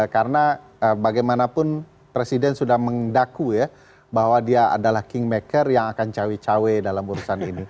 karena bagaimanapun presiden sudah mendaku ya bahwa dia adalah king maker yang akan cawe cawe dalam urusan ini